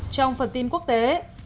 trong phần tin quốc tế